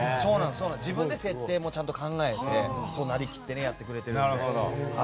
自分で設定もちゃんと考えてなりきってやってくれてるので。